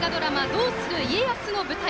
「どうする家康」の舞台。